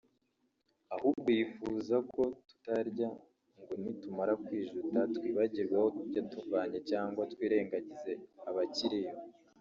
ahubwo yifuza ko tutarya ngo nitumara kwijuta twibagirwe aho yatuvanye cyangwa twirengagize abakiriyo